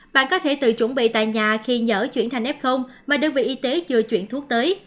bạn có thể tự chuẩn bị tại nhà khi nhỡ chuyển thành f mà đơn vị y tế chưa chuyển thuốc tới